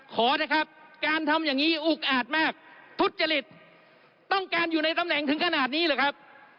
ขอนะครับการทำอย่างนี้อุกอาจมากทุจริตต้องการอยู่ในตำแหน่งถึงขนาดนี้หรือครับ